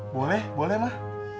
boleh boleh mah